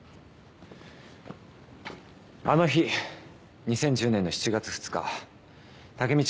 あの日２０１０年の７月２日タケミチ